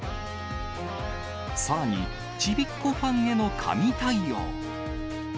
さらに、ちびっ子ファンへの神対応。